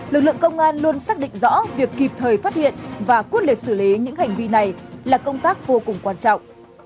lực lượng công an luôn xác định rõ việc kịp thời phát hiện và quyết liệt xử lý những hành vi này là công tác vô cùng quan trọng